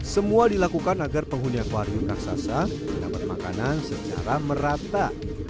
semua dilakukan agar penghuni akwarium raksasa mendapat makanan secara merata